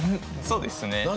そうですね。